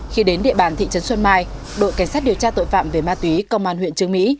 khi đến địa bàn thị trấn xuân mai đội cảnh sát điều tra tội phạm về ma túy công an huyện trương mỹ